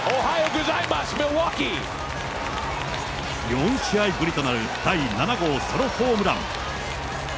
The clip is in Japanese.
４試合ぶりとなる第７号ソロホームラン。